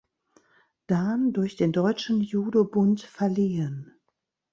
Dan durch den Deutschen Judo-Bund verliehen.